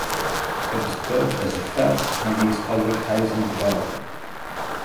It was billed as the first Chinese public housing development.